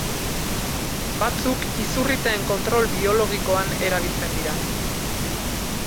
Batzuk izurriteen kontrol biologikoan erabiltzen dira.